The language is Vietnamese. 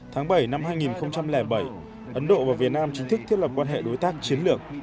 tháng bảy năm hai nghìn bảy ấn độ và việt nam chính thức thiết lập quan hệ đối tác chiến lược